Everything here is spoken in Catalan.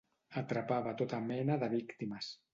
Atrapava tota mena de víctimes.